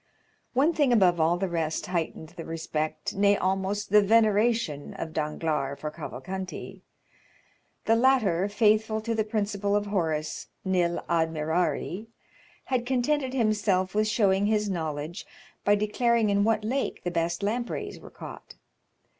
One thing above all the rest heightened the respect, nay almost the veneration, of Danglars for Cavalcanti. The latter, faithful to the principle of Horace, nil admirari, had contented himself with showing his knowledge by declaring in what lake the best lampreys were caught.